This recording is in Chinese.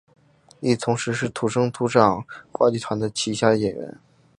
亦同时是土生土语话剧团的旗下演员。